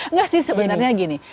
nggak sih sebenarnya gini